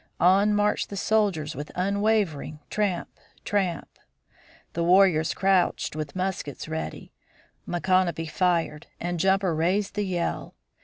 On marched the soldiers with unwavering tramp, tramp. The warriors crouched with muskets ready. Micanopy fired and Jumper raised the yell.